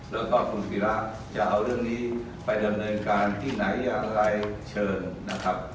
แล้วก็คุณศิระจะเอาเรื่องนี้ไปดำเนินการที่ไหนอย่างไรเชิญนะครับ